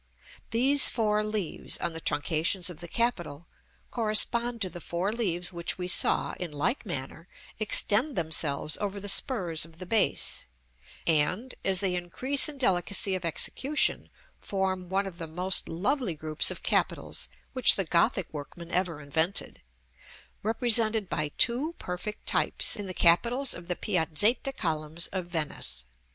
These four leaves, on the truncations of the capital, correspond to the four leaves which we saw, in like manner, extend themselves over the spurs of the base, and, as they increase in delicacy of execution, form one of the most lovely groups of capitals which the Gothic workmen ever invented; represented by two perfect types in the capitals of the Piazzetta columns of Venice.